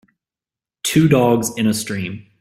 Two dogs in a stream